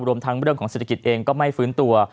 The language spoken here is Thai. รวมทั้งเรื่องของเศรษฐกิจเองก็ไม่ฟื้นตัว